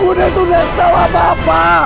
bu ne tuh gak tau apa apa